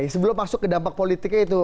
sebelum masuk ke dampak politiknya itu